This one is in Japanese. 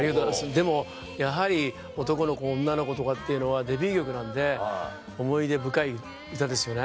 でもやはり『男の子女の子』とかっていうのはデビュー曲なんで思い出深い歌ですよね。